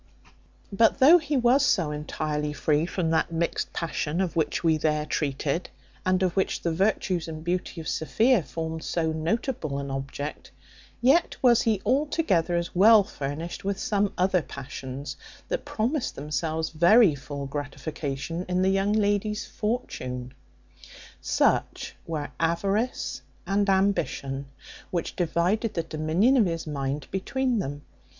But though he was so entirely free from that mixed passion, of which we there treated, and of which the virtues and beauty of Sophia formed so notable an object; yet was he altogether as well furnished with some other passions, that promised themselves very full gratification in the young lady's fortune. Such were avarice and ambition, which divided the dominion of his mind between them.